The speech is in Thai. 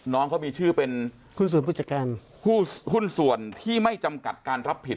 น้องเขามีชื่อเป็นหุ้นส่วนผู้จัดการหุ้นส่วนที่ไม่จำกัดการรับผิด